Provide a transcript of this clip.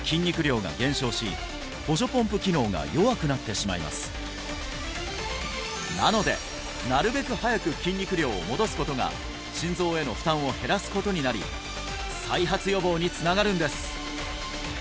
しかし心臓病を発症しなのでなるべく早く筋肉量を戻すことが心臓への負担を減らすことになり再発予防につながるんです